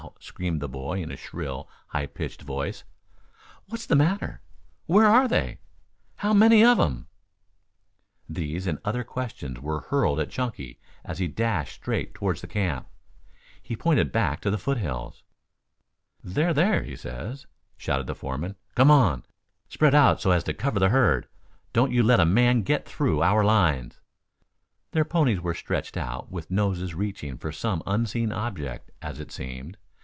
screamed the boy in a shrill, high pitched voice. "What's the matter?" "Where are they?" "How many of 'em?" These and other questions were hurled at Chunky as he dashed straight toward the camp. He pointed back to the foothills. "They're there, he says," shouted the foreman. "Come on. Spread out so as to cover the herd. Don't you let a man get through our lines." Their ponies were stretched out with noses reaching for some unseen object, as it seemed.